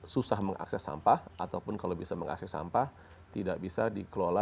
susah mengakses sampah ataupun kalau bisa mengakses sampah tidak bisa dikelola